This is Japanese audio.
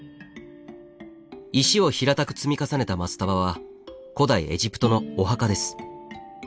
石を平たく積み重ねたマスタバは古代エジプトのお墓です。